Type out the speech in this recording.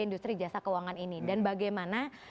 industri jasa keuangan ini dan bagaimana